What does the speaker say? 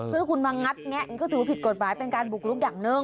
เพื่อคุณมางัดแงะก็ถือว่าผิดกฎหมายเป็นการบุกลุกอย่างหนึ่ง